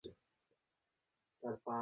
তারা এটাকে রান্না করে খেতে পারবে না।